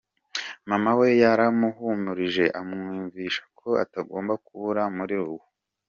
Mama we yaramuhumurije, amwumvisha ko atagomba kubura muri uwo.